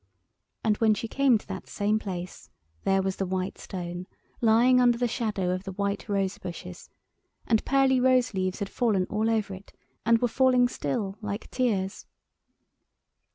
And when she came to that same place there was the white stone lying under the shadow of the white rose bushes, and pearly rose leaves had fallen all over it, and were falling still, like tears.